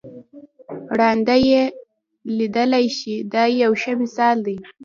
ړانده یې لیدلای شي دا یو ښه مثال دی.